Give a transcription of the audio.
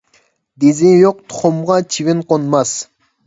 دېزى يوق تۇخۇمغا چىۋىن قونماس.